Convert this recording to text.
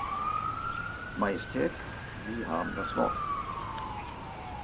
Majestät, Sie haben das Wort.